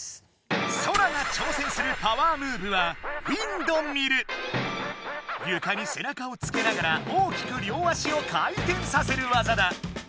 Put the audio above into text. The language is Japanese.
ソラがちょうせんするパワームーブはゆかに背中をつけながら大きく両足を回転させるわざだ！